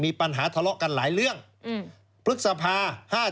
มีปัญหาทะเลาะกันหลายเรื่องพฤษภา๕๗